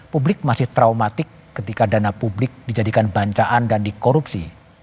publik masih traumatik ketika dana publik dijadikan bancaan dan dikorupsi